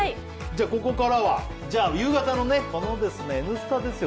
ここからは夕方のね、ここ、Ｎスタですよ。